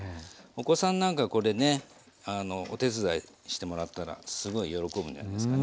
お子さんなんかこれねお手伝いしてもらったらすごい喜ぶんじゃないですかね。